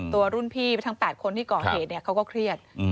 รุ่นพี่ทั้ง๘คนที่ก่อเหตุเขาก็เครียด